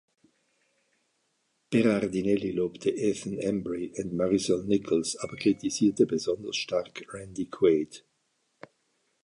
Berardinelli lobte Ethan Embry und Marisol Nichols, aber kritisierte besonders stark Randy Quaid.